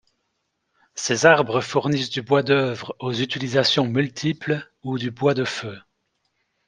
Ces arbres fournissent du bois d'œuvre aux utilisations multiples ou du bois de feu.